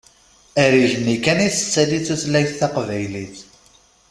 Ar igenni kan i tettali tutlayt taqbaylit.